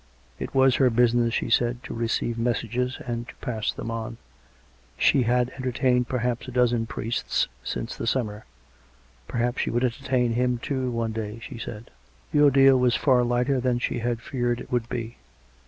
It was her business, she said, to receive messages and to pasrs them on; she had entertained perhaps a dozen priests since the summer; perhaps she would entertain him, too, one day, she said. The ordeal was far lighter than she had feared it would be.